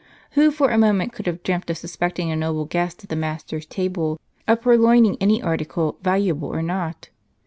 Who for a moment could have dreamt of suspecting a noble guest at the master's table of purloining any article, valuable or not